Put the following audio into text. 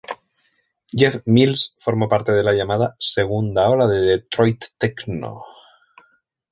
Jeff Mills formó parte de la llamada "segunda ola" de detroit techno.